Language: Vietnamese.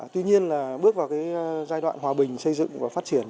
tuy nhiên là bước vào cái giai đoạn hòa bình xây dựng và phát triển